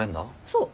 そう。